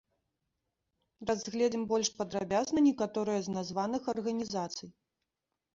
Разгледзім больш падрабязна некаторыя з названых арганізацый.